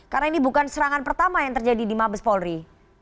karena ini bukan serangan pertama yang terjadi di mabes polri